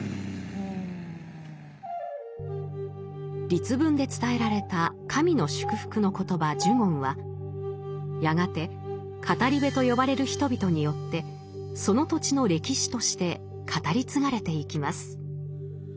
律文で伝えられた神の祝福の言葉「呪言」はやがて語部と呼ばれる人々によってその土地の歴史として語り継がれていきます。